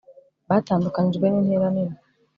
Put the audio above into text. Batandukanijwe nintera nini